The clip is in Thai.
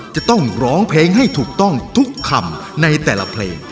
จะต้องร้องเพลงให้ถูกต้องทุกคำในแต่ละเพลง